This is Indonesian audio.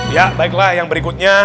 ya baiklah yang berikutnya